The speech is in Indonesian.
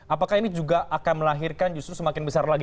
apakah ini juga akan melahirkan justru semakin besar lagi